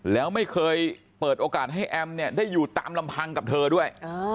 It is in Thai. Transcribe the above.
แล้วไม่เคยเปิดโอกาสให้แอมเนี่ยได้อยู่ตามลำพังกับเธอด้วย